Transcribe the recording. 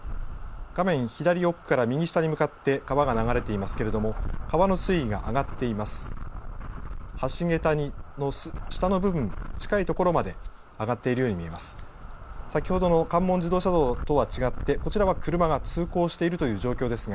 画面、左奥から右下に向かって川が流れていますけれども川の水位が上がっています。